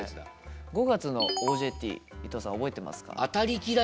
５月の「ＯＪＴ」伊藤さん覚えてますか？